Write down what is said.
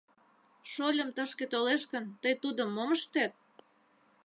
— Шольым тышке толеш гын, тый тудым мом ыштет?